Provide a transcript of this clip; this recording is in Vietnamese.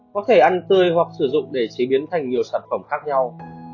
có thể ăn tươi hoặc sử dụng để chế biến thành nhiều sản phẩm khác nhau